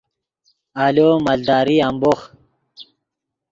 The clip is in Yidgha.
آلو مالداری امبوخ